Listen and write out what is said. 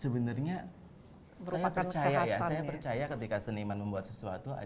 sebenarnya saya percaya ya saya percaya ketika seniman membuat sesuatu